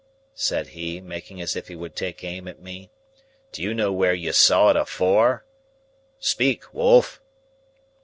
said he, making as if he would take aim at me. "Do you know where you saw it afore? Speak, wolf!"